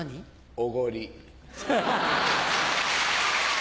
おごり。